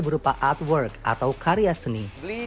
berupa artwork atau karya seni